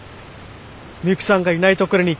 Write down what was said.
ミユキさんがいない所に行かない。